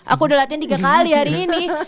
aku udah latihan tiga kali hari ini